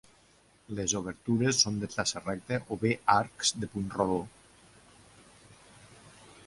Les obertures són de traça recta o bé arcs de punt rodó.